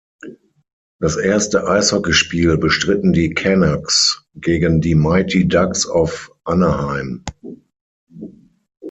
Das erste Eishockeyspiel bestritten die "Canucks" gegen die Mighty Ducks of Anaheim.